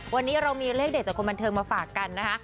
วันนี้เรามีเลขเด็ดจากคนบันเทิงมาฝากกันนะคะ